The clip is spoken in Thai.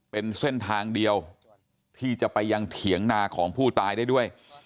เป็นเส้นทางเดียวที่จะไปยังเถียงนาของผู้ตายได้ด้วย